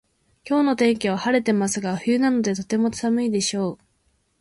今日の天気は晴れてますが冬なのでとても寒いでしょう